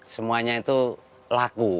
semuanya itu laku